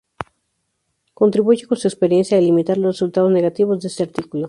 contribuye con su experiencia a limitar los resultados negativos de este artículo